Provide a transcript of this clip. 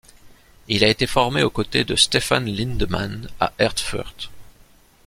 Il a été formé aux côtés de Stefan Lindemann à Erfurt.